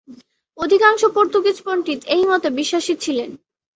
অধিকাংশ পর্তুগিজ পণ্ডিত এই মতে বিশ্বাসী ছিলেন।